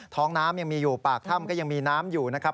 ท้องน้ำยังมีอยู่ปากถ้ำก็ยังมีน้ำอยู่นะครับ